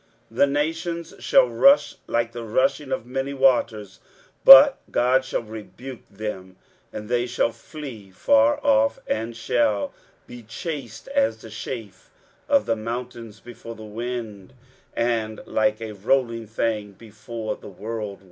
23:017:013 The nations shall rush like the rushing of many waters: but God shall rebuke them, and they shall flee far off, and shall be chased as the chaff of the mountains before the wind, and like a rolling thing before the whirlwind.